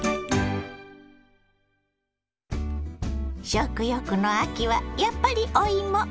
食欲の秋はやっぱりお芋！